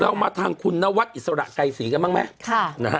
เราเอามาทางคุณนวัฒน์อิสระไก่ศรีกันบ้างไหมค่ะนะฮะ